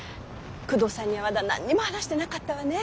久遠さんにはまだ何にも話してなかったわね。